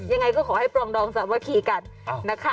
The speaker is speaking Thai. ยังไงก็ขอให้ปรองดองสามัคคีกันนะคะ